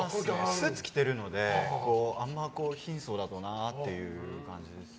スーツを着てるので、あんまり貧相だとなという感じですね。